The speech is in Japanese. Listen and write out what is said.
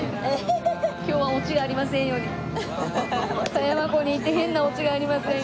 狭山湖に行って変なオチがありませんように。